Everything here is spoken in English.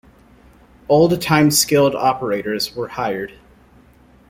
Old-time skilled operators were hired.